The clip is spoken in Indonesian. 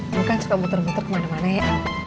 lu kan suka butur butur kemana mana ya